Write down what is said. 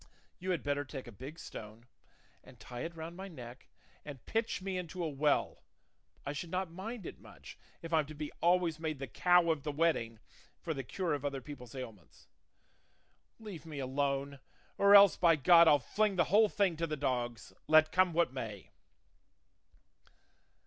You had better take a big stone and tie it round my neck, and pitch me into a well; I should not mind it much, if I'm to be always made the cow of the wedding for the cure of other people's ailments. Leave me alone; or else by God I'll fling the whole thing to the dogs, let come what may."